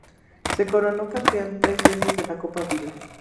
Se coronó campeón tres veces de la Copa Vila.